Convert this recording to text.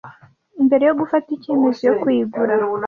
Mbere yo gufata icyemezo cyo kuyigura,